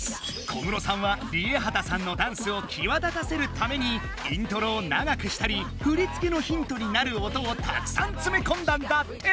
小室さんはＲＩＥＨＡＴＡさんのダンスをきわだたせるためにイントロを長くしたり振り付けのヒントになる音をたくさんつめこんだんだって！